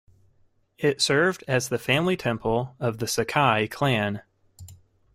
It served as the family temple of the Sakai clan.